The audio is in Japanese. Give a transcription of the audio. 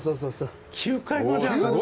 ９階まで上がる？